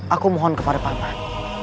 aku mohon kepada paman